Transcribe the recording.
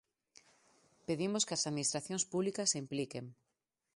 Pedimos que as administracións públicas se impliquen.